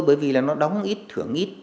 bởi vì nó đóng ít thưởng ít